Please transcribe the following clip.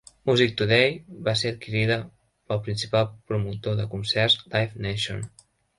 Musictoday va ser adquirida pel principal promotor de concerts Live Nation.